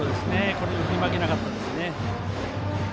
これに振り負けなかったですね。